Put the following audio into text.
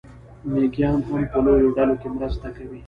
مېږیان هم په لویو ډلو کې مرسته کوي.